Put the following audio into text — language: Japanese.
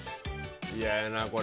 嫌やな、これ。